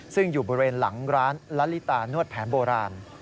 ซึ่งอยู่บริเวณหลังร้านละลิตานวดแผนโบราณ